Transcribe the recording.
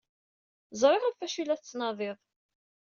Ẓriɣ ɣef wacu ay la tettnadiḍ.